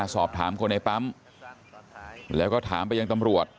สอบถามคนในปั๊มแล้วก็ถามไปยังตำรวจ